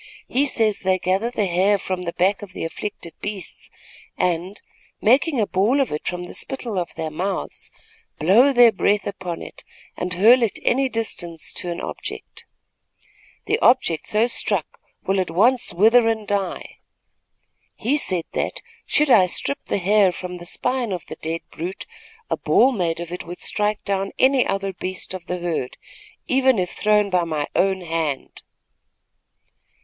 He says they gather the hair from the back of the afflicted beasts and, making a ball of it from the spittle of their mouths, blow their breath upon it and hurl it any distance to an object. The object so struck will at once wither and die. He said that, should I strip the hair from the spine of the dead brute, a ball made of it would strike down any other beast of the herd, even if thrown by my own hand."